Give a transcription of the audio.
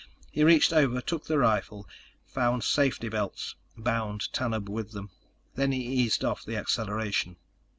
He reached over, took the rifle, found safety belts, bound Tanub with them. Then he eased off the acceleration.